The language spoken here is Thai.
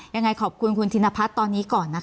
ยังไงขอบคุณคุณธินพัฒน์ตอนนี้ก่อนนะคะ